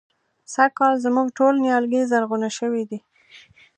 سږکال زموږ ټول نيالګي زرغونه شوي دي.